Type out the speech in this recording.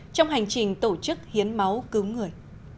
trong hành trình tổ chức hiến máu cứu người